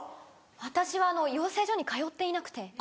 私は養成所に通っていなくて。